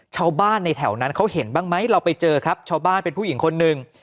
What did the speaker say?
ชาวบ้านในแถวนั้นเขาเห็นบ้างไหมเราไปเจอครับชาวบ้านเป็นผู้หญิงคนหนึ่ง